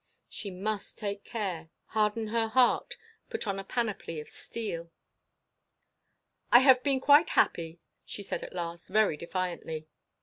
She must take care; harden her heart; put on a panoply of steel. "I have been quite happy," she said at last, very defiantly.